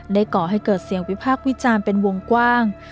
ก่อให้เกิดเสียงวิพากษ์วิจารณ์เป็นวงกว้าง